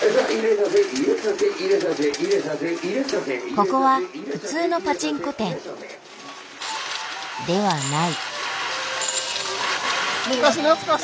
ここは普通のパチンコ店ではない。